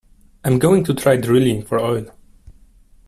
I am going to try drilling for oil.